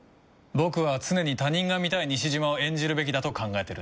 僕は常に他人が見たい西島を演じるべきだと考えてるんだ。